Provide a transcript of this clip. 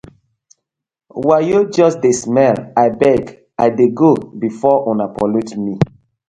Wayo just smell, I beg I dey go befor una pollute mi.